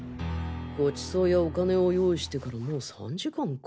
ごちそうやお金を用意してからもう３時間か。